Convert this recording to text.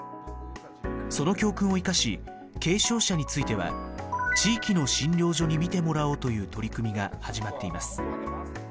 その教訓を生かし軽症者については地域の診療所に診てもらおうという取り組みが始まっています。